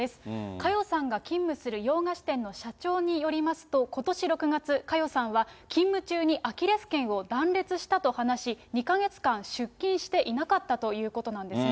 佳代さんが勤務する洋菓子店の社長によりますと、ことし６月、佳代さんは勤務中にアキレスけんを断裂したと話し、２か月間出勤していなかったということなんですね。